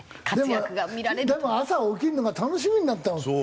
でも朝起きるのが楽しみになったもん。